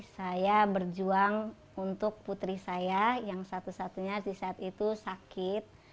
saya berjuang untuk putri saya yang satu satunya di saat itu sakit